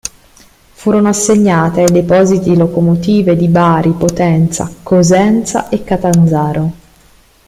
Furono assegnate ai depositi locomotive di Bari, Potenza, Cosenza e Catanzaro.